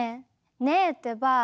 ねえってば！